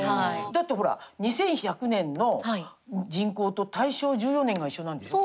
だってほら２１００年の人口と大正１４年が一緒なんでしょ。